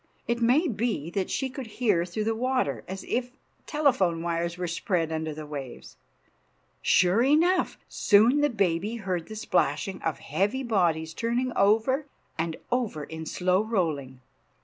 It may be that she could hear through the water, as if telephone wires were spread under the waves. Sure enough! soon the baby heard the splashing of heavy bodies turning over and over in slow rolling.